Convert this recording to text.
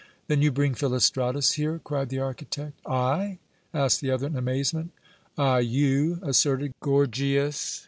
"Then you bring Philostratus here!" cried the architect. "I?" asked the other in amazement. "Ay, you," asserted Gorgias.